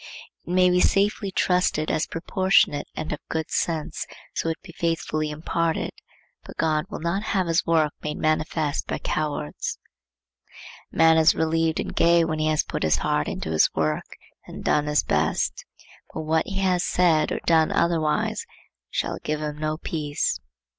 It may be safely trusted as proportionate and of good issues, so it be faithfully imparted, but God will not have his work made manifest by cowards. A man is relieved and gay when he has put his heart into his work and done his best; but what he has said or done otherwise shall give him no peace.